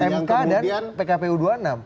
mk dan pkpu dua puluh enam